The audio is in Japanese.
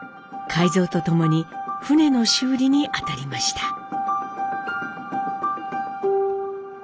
海蔵とともに船の修理にあたりました。